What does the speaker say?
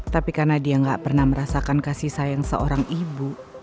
tapi karena dia gak pernah merasakan kasih sayang seorang ibu